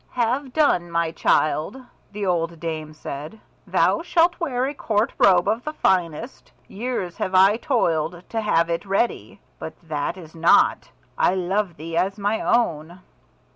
"Have done, my child!" the old dame said. "Thou shalt wear a court robe of the finest. Years have I toiled to have it ready, but that is naught. I loved thee as my own."